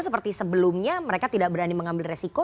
seperti sebelumnya mereka tidak berani mengambil resiko